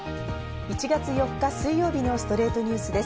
１月４日、水曜日の『ストレイトニュース』です。